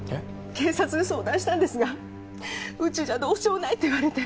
警察に相談したんですがうちじゃどうしようもないって言われて。